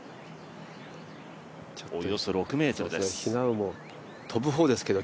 およそ６ｍです。